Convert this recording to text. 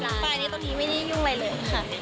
แค่ตรงฝ่ายนี้ตรงนี้ไม่ได้ยุ่งไปเลยค่ะ